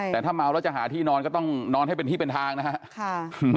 แต่ถ้าเมาแล้วจะหาที่นอนก็ต้องนอนให้เป็นที่เป็นทางนะครับ